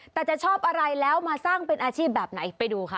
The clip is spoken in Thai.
แต่จะชอบอะไรแล้วมาสร้างเป็นอาชีพแบบไหนไปดูค่ะ